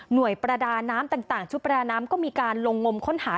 โดยประดาน้ำต่างชุดประดาน้ำก็มีการลงงมค้นหา